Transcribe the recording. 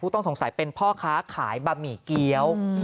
ต้องสงสัยเป็นพ่อค้าขายบะหมี่เกี้ยว